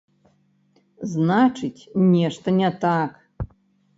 Значыць, нешта не так.